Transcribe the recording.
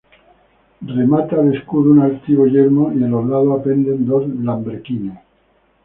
Remata el escudo un altivo yelmo y a los lados penden dos lambrequines.